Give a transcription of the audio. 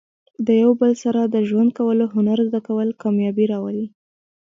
د یو بل سره د ژوند کولو هنر زده کول، کامیابي راولي.